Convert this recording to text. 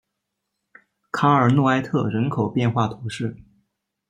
卡尔诺埃特人口变化图示